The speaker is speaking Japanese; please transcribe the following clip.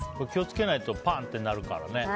気を付けないとパンってなるからね。